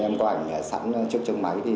em có ảnh sẵn trước chân máy